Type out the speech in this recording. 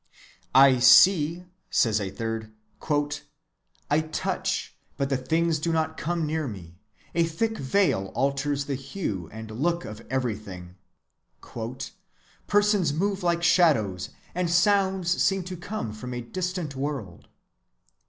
—"I see," says a third, "I touch, but the things do not come near me, a thick veil alters the hue and look of everything."—"Persons move like shadows, and sounds seem to come from a distant world."